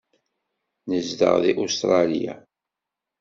Nezdeɣ deg Ustṛalya.